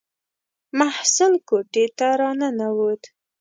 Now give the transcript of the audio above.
محصل کوټې ته را ننووت.